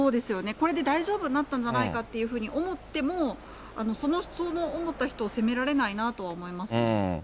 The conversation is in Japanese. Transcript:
これで大丈夫になったんじゃないかって思っても、そう思った人を責められないなと思います。